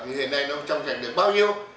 nhưng mà hiện nay nó trong sạch được bao nhiêu